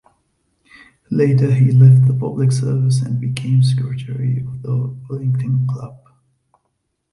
Later he left the public service and became secretary of the Wellington Club.